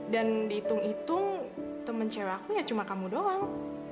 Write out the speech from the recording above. dan diitung itung temen cewekku ya cuma kamu doang